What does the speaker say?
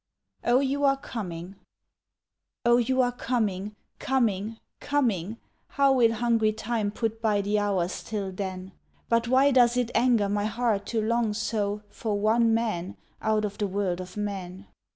"Oh You Are Coming" Oh you are coming, coming, coming, How will hungry Time put by the hours till then? But why does it anger my heart to long so For one man out of the world of men?